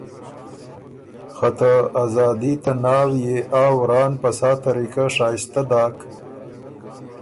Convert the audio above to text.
خه ته آزادي ته ناوئے آ ورا ن په سا طریقۀ شائِستۀ داک